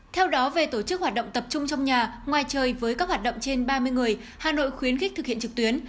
theo đó về tổ chức hoạt động tập trung trong nhà ngoài trời với các hoạt động trên ba mươi người hà nội khuyến khích thực hiện trực tuyến